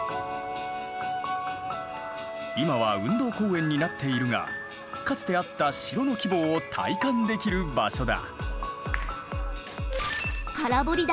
今は運動公園になっているがかつてあった城の規模を体感できる場所だ。